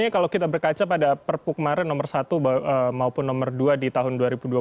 kalau kita berkaca pada perpu kemarin nomor satu maupun nomor dua di tahun dua ribu dua puluh